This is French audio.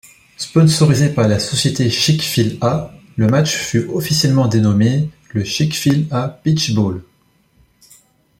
Sponsorisé par la société Chick-fil-A, le match fut officiellement dénommé le Chick-fil-A Peach Bowl.